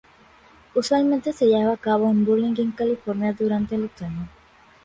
Usualmente se lleva a cabo en Burlingame, California, durante el otoño.